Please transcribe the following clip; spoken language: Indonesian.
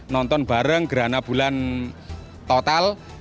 nonton bareng gerah nabulan total